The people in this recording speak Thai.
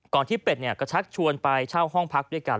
ที่เป็ดก็ชักชวนไปเช่าห้องพักด้วยกัน